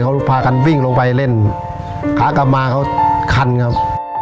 เขาพากันวิ่งลงไปเล่นขากลับมาเขาคันครับ